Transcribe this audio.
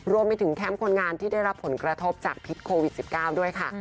แคมป์คนงานที่ได้รับผลกระทบจากพิษโควิด๑๙ด้วยค่ะ